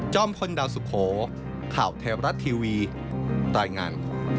พลดาวสุโขข่าวเทวรัฐทีวีรายงาน